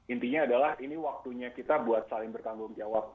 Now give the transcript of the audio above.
intinya adalah ini waktunya kita buat saling bertanggung jawab